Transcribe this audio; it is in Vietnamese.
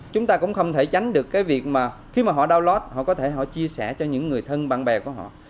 chúng ta cũng không thể tránh được cái việc mà khi mà họ download họ có thể họ chia sẻ cho những người thân bạn bè của họ